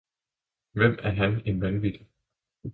Hvem er han en vanvittig